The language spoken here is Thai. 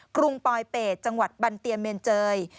กรุงปลอยเป็ดจังหวัดบันเตียเมนเจย